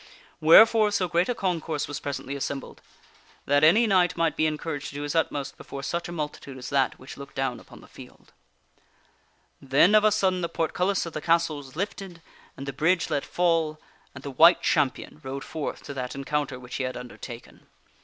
Wherefore, so great a concourse was presently assembled, that any knight might be en couraged to do his utmost before such a multitude as that which looked down upon the field. Then of a sudden the portcullis of the castle was lifted, and the bridge let fall, and the White Champion rode forth to that encounter which he had undertaken.